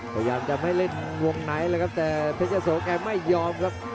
พยายามจะไม่เล่นวงไหนเลยครับแต่เพชรยะโสแกไม่ยอมครับ